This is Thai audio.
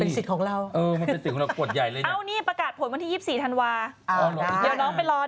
เป็นสิทธิ์ของเราประกาศผลวันที่๒๔ธันวาส์น้องไปรอ